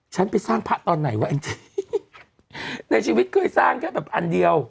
ฉันไปสร้างพระตอนไหนวะแองจี้ในชีวิตเคยสร้างแค่แบบอันเดียว